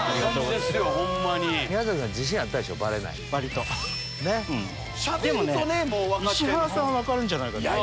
でもね石原さんは分かるんじゃないかと。